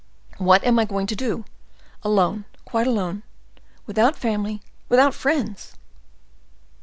"What am I going to do! Alone, quite alone—without family, without friends!